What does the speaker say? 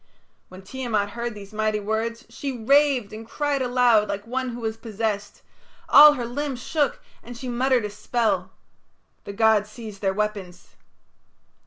When Tiamat heard these mighty words she raved and cried aloud like one who is possessed; all her limbs shook, and she muttered a spell. The gods seized their weapons.